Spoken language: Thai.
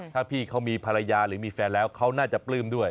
ถ้าพี่เขามีภรรยาหรือมีแฟนแล้วเขาน่าจะปลื้มด้วย